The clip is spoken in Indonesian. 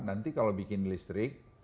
nanti kalau bikin listrik